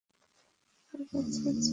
কার কাছে বেচবো?